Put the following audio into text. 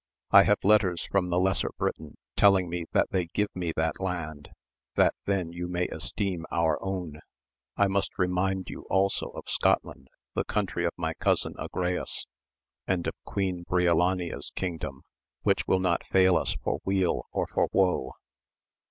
I have letters from the lesser Britain telling me that they give me that land, that then you may esteem our own ; I must remind you also of Scotland, the country of my cousin Agrayes, and of Queen Briolania's kingdom, which will not fail us for weal or for woe.